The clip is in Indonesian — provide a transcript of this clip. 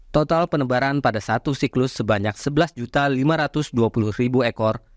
total penebaran pada satu siklus sebanyak sebelas lima ratus dua puluh ekor